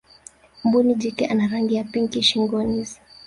mbuni jike ana rangi ya pinki shingonis